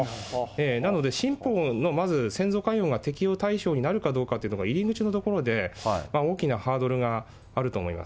なので、新法のまず先祖解怨が適用対象になるかどうかというのは、入り口のところで、大きなハードルがあると思います。